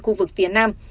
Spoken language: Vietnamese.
khu vực phía nam